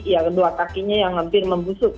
ya kedua kakinya yang hampir membusuk